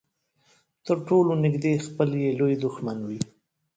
تر ټولو نږدې خپل يې لوی دښمن وي.